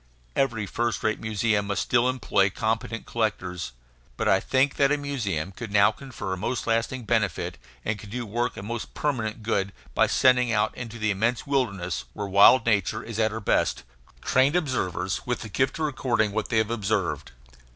Every first rate museum must still employ competent collectors; but I think that a museum could now confer most lasting benefit, and could do work of most permanent good, by sending out into the immense wildernesses, where wild nature is at her best, trained observers with the gift of recording what they have observed.